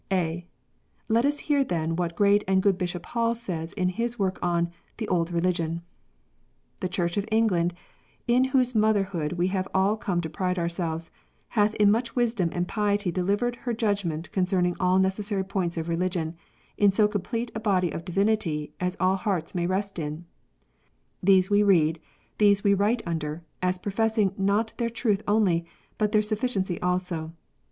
(a) Let us hear then what great and good Bishop Hall says, in his work on " The Old Religion :"" The Church of Eng land, in whose motherhood we have all come to pride ourselves, hath in much wisdom and piety delivered her judgment con cerning all necessary points of religion, in so complete a body of divinity as all hearts may rest in. These we read, these we write under, as professing not their truth only, but their suffi ciency also.